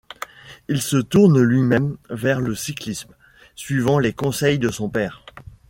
Il se tourne lui-même vers le cyclisme, suivant les conseils de son père.